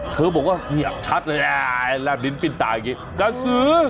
เธอบอกว่าเนี่ยชัดเลยแล้วลิ้นปิดตาอย่างนี้กระสือ